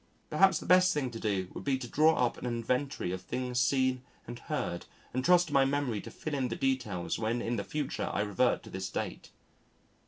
Perhaps the best thing to do would be to draw up an inventory of things seen and heard and trust to my memory to fill in the details when in the future I revert to this date.